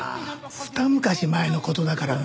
ふた昔前の事だからな。